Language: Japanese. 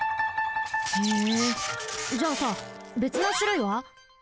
へえじゃあさべつなしゅるいは？